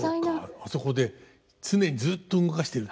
あそこで常にずっと動かしてると。